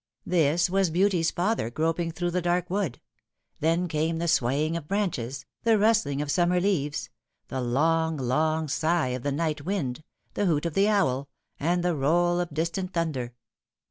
This was Beauty's father groping through the dark wood. Then came the swaying of branches, the rustling of summer leaves, the long, long sigh of the night wind, the hoot of the owl, and the roll of distant thunder.